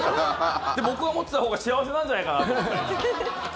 僕が持っていたほうが幸せなんじゃないかなと思って。